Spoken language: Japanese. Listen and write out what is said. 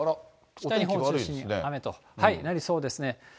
北日本中心に雨となりそうですね。